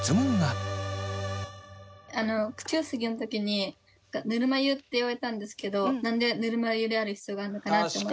口ゆすぎの時にぬるま湯って言われたんですけど何でぬるま湯である必要があるのかなって思いました。